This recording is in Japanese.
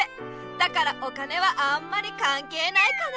だからお金はあんまりかんけいないかな。